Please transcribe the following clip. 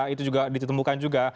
itu juga ditemukan juga